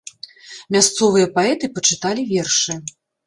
Мясцовыя паэты пачыталі вершы.